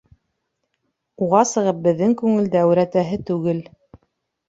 Уға сығып беҙҙең күңелде әүрәтәһе түгел.